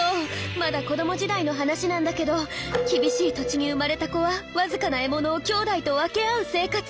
まだ子ども時代の話なんだけど厳しい土地に生まれた子は僅かな獲物をきょうだいと分け合う生活。